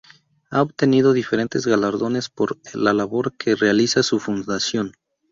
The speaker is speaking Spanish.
Ha obtenido diferentes galardones por la labor que realiza su Fundación.